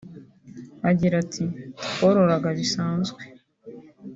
Agira ati “Twororaga bisanzwe